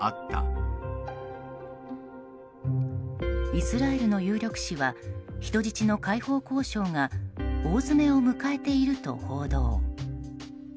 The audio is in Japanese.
イスラエルの有力紙は人質の解放交渉が大詰めを迎えていると報道。